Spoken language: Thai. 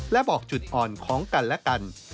และบอกจุดอ่อนของกันและกัน